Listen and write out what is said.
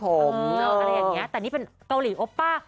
อะไรอย่างนี้แต่นี่เป็นเกาหลีโอป้า